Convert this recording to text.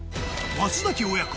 松崎親子